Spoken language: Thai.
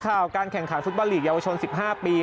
การแข่งขันฟุตบอลลีกเยาวชน๑๕ปี